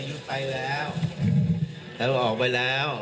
คุณประยุทธ์ไปแล้วแล้วออกไปแล้ว